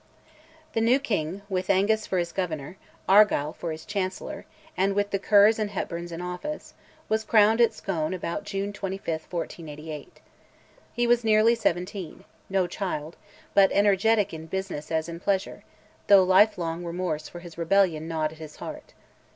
The new king, with Angus for his Governor, Argyll for his Chancellor, and with the Kers and Hepburns in office, was crowned at Scone about June 25, 1488. He was nearly seventeen, no child, but energetic in business as in pleasure, though lifelong remorse for his rebellion gnawed at his heart.